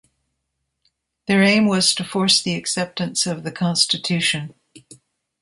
Their aim was to force the acceptance of the constitution.